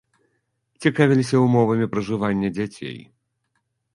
Цікавілася ўмовамі пражывання дзяцей.